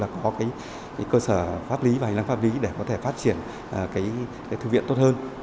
có cơ sở pháp lý và hành lăng pháp lý để có thể phát triển thư viện tốt hơn